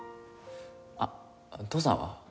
あっ父さんは？